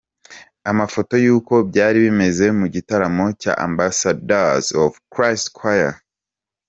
Amafoto y'uko byari bimeze mu gitaramo cya Ambassadors of Christ choir.